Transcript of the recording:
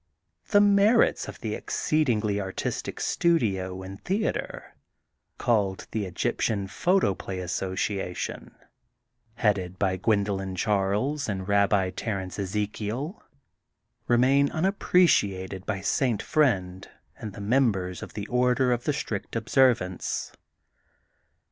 The merits of the exceedingly artistic studio and theatre, called The Egyptian Photoplay Association, headed by Gwen dolyn Charles and Babbi Terence Ezekiel re main unappreciated by St. Friend and the members of the Order of the Strict Observ THE GOLDEN BOOK OF SPRINGFIELD 181 ance.